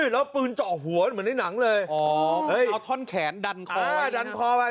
แล้วปืนเจาะหัวเหมือนในหนังเลยเอาท่อนแขนดันคอไว้ดันคอไว้